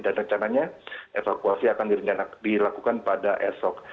dan rencananya evakuasi akan dilakukan pada esok